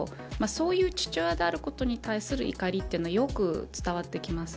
そういう父親であることに対する怒りというのはよく伝わってきます。